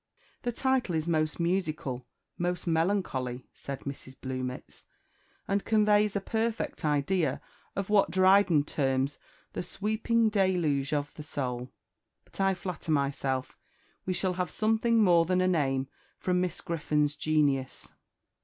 '" "The title is most musical, most melancholy," said Mrs. Bluemits, "and conveys a perfect idea of what Dryden terms 'the sweeping deluge of the soul;' but I flatter myself we shall have something more than a name from Miss Griffon's genius.